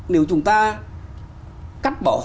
nếu chúng ta cắt bỏ hoạt động